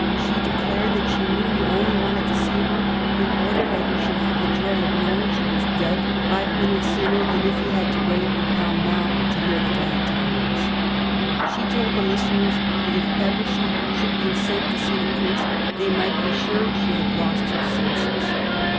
She declared that she knew he only wanted to see her in order that he should have the joy of knowing she was dead five minutes sooner than if he had to wait in Pall Mall to hear the glad tidings. She told the listeners that if ever she should consent to see the prince they might be sure she had lost her senses.